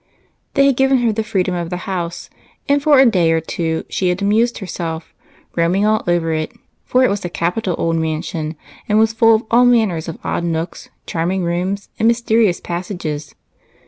They had given her the freedom of the house, and 2 EIGHT COUSINS. for a day or two she had amused herself roaming all over it, for it was a capital old mansion, and was full of all manner of odd nooks, charming rooms, and mys terious passages.